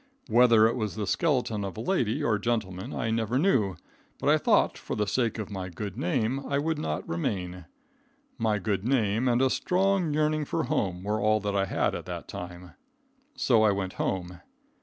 Whether it was the skeleton of a lady or gentleman, I never knew; but I thought, for the sake of my good name, I would not remain. My good name and a strong yearning for home were all that I had at that time. So I went home.